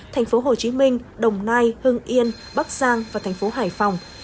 thành phố hồ chí minh đồng nai hưng yên bắc giang và thành phố hải phòng